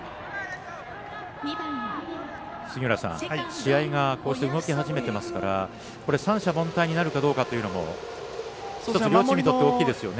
試合が動き始めてますから三者凡退になるかどうかというのも１つ両チームにとって大きいですよね。